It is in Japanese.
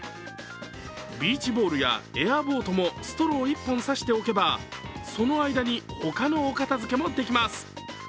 ビーチボールやエアボートもストロー１本刺しておけばその間にほかのお片づけもできます。